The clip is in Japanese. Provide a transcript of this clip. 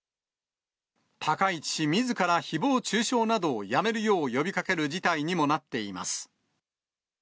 高市氏みずからひぼう中傷などをやめるよう呼びかける事態にもなっています。